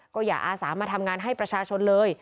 ก็อย่าอาสามาทำงานให้ประชาชนเลย